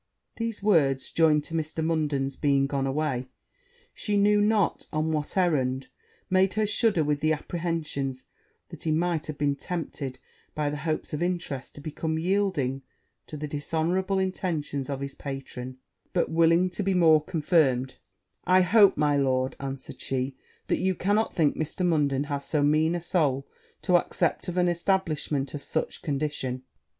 These words, joined to Mr. Munden's being gone away, she knew not on what errand, made her shudder with the apprehensions that he might have been tempted, by the hopes of interest, to become yielding to the dishonourable intentions of his patron: but, willing to be more confirmed, 'I hope, my lord,' answered she, 'that you cannot think Mr. Munden has so mean a soul to accept of an establishment on such condition.'